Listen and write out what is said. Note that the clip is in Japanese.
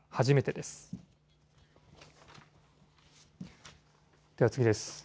では次です。